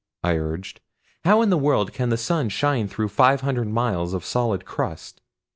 I urged. "How in the world can the sun shine through five hundred miles of solid crust?"